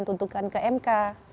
tuntutan ke mk